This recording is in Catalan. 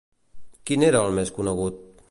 Quin era el més conegut?